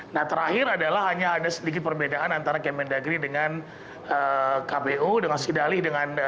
nah terakhir adalah hanya ada sedikit perbedaan antara kemendagri dengan kpu dengan sidali dengan